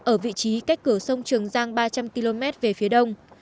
ở vị trí cách cửa sông trường giang ba trăm linh km về phía đông